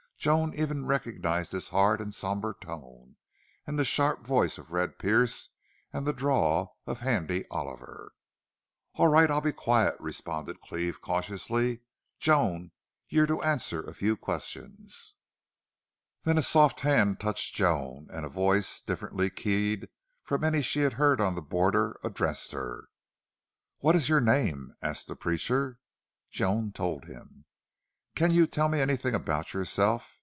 Joan even recognized his hard and somber tone, and the sharp voice of Red Pearce, and the drawl of Handy Oliver. "All right. I'll be quiet," responded Cleve, cautiously. "Joan, you're to answer a few questions." Then a soft hand touched Joan, and a voice differently keyed from any she had heard on the border addressed her. "What is your name?" asked the preacher. Joan told him. "Can you tell anything about yourself?